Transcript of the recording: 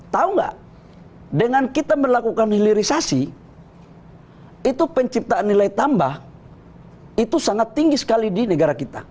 tahu nggak dengan kita melakukan hilirisasi itu penciptaan nilai tambah itu sangat tinggi sekali di negara kita